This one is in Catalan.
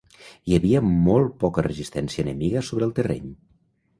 Hi havia molt poca resistència enemiga sobre el terreny.